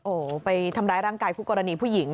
โอ้โหไปทำร้ายร่างกายผู้กรณีผู้หญิง